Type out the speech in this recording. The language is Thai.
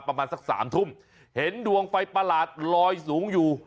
ประมาณสักสามทุ่มเห็นดวงไฟประหลาดลอยสูงอยู่